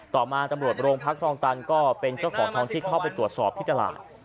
ต่อมาตำรวจโรงพักคลองตันก็เป็นเจ้าของทองที่เข้าไปตรวจสอบที่ตลาด